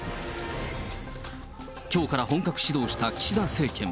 きょうから本格始動した岸田政権。